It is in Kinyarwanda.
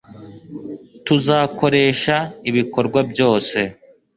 Tuzakoresha ibikorwa byose